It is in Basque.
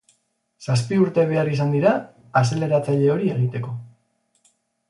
Zazpi urte behar izan dira azeleratzaile hori egiteko.